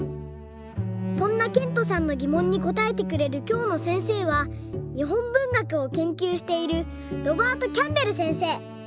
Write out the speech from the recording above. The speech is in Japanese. そんなけんとさんのぎもんにこたえてくれるきょうのせんせいは日本文学を研究しているロバート・キャンベルせんせい。